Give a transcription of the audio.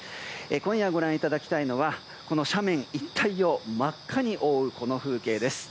今夜ご覧いただきたいのは斜面一帯を真っ赤に覆うこの風景です。